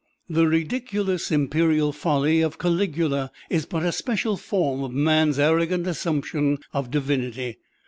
The ridiculous imperial folly of Caligula is but a special form of man's arrogant assumption of divinity.